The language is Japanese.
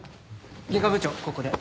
外科部長ここで。